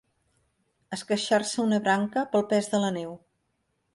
Esqueixar-se una branca pel pes de la neu.